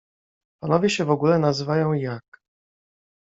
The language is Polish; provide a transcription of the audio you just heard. Panowie się w ogóle nazywają jak?